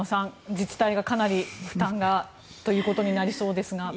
自治体がかなり負担がということになりそうですが。